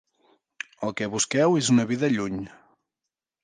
El que busqueu és una vida lluny.